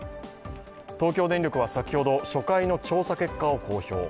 東京電力は先ほど、初回の調査結果を公表。